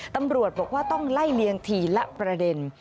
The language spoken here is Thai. ตำรวจบอกว่าต้องไล่เลียงทีละประเด็น